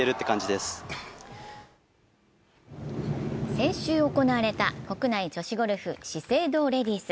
先週行われた国内女子ゴルフ、資生堂レディス。